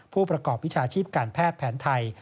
ผู้ประกอบวิชาชีพการแพทย์แผนไทย